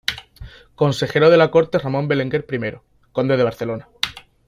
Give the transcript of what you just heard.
Consejero de la corte de Ramon Berenguer I, conde de Barcelona.